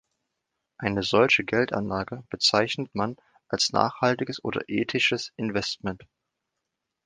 Eine solche Geldanlage bezeichnet man als Nachhaltiges oder Ethisches Investment.